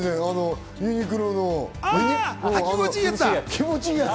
ユニクロの気持ちいいやつ。